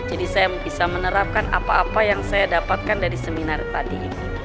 jadi saya bisa menerapkan apa apa yang saya dapatkan dari seminar tadi